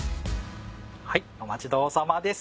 はいお待ち遠さまです。